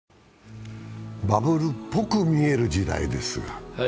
バブルっぽく見える時代ですが。